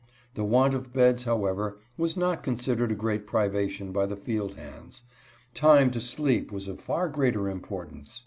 The want of beds, however, was not considered a great privation by the field hands. Time to sleep was of far greater importance.